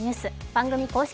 番組公式